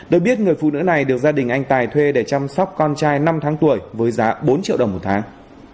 được biết người phụ nữ này được gia đình anh tài thuê để chăm sóc con trai năm tháng tuổi với giá bốn triệu đồng một tháng